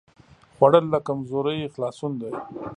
خوړل له کمزورۍ خلاصون دی